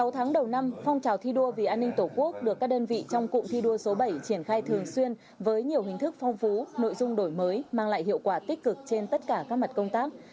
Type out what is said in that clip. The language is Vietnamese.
sáu tháng đầu năm phong trào thi đua vì an ninh tổ quốc được các đơn vị trong cụm thi đua số bảy triển khai thường xuyên với nhiều hình thức phong phú nội dung đổi mới mang lại hiệu quả tích cực trên tất cả các mặt công tác